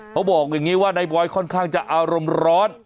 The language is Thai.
เขาบอกอย่างนี้ว่านายบอยค่อนข้างจะอารมณ์ร้อน